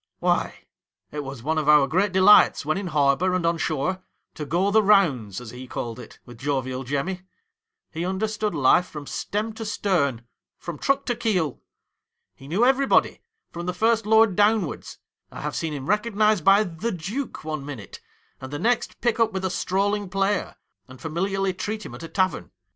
' Why, it was one of our great delights, when in harbour and on shore, to " go the rounds," — as he called it — with Jovial Jemmy. He understood life from stem to stern — from truck to keel. He knew everybody, from the First Lord downwards. I have seen him re cognised by the Duke one minute, and the next pick up with a strolling player, and familiarly treat him at a tavern.